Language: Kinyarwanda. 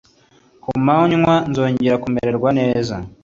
ku manywa nzongera kumererwa neza